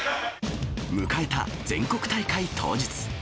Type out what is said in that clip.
迎えた全国大会当日。